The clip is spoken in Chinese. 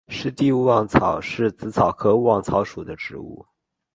湿地勿忘草是紫草科勿忘草属的植物。